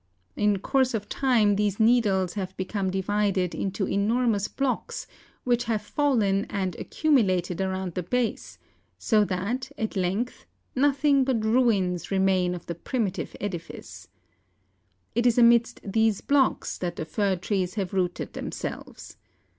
In course of time these needles have become di¬ vided into enormous blocks, which have fallen and accumulated around the base, so that, at length, nothing but ruins remain of the primitive edifice. It is amidst these blocks that the fir trees have rooted themselves.